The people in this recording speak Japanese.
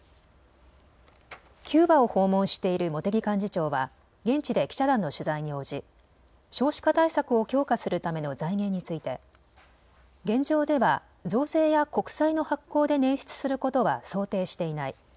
キューバを訪問している茂木幹事長は現地で記者団の取材に応じ少子化対策を強化するための財源について現状では増税や国債の発行で捻出することは想定していない。